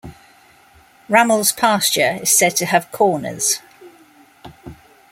Ramel's pasture is said to have corners.